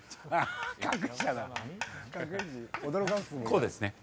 こうですね。